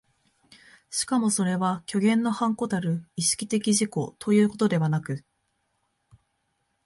しかもそれは虚幻の伴子たる意識的自己ということではなく、